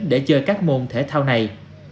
để chơi các môn thể thao này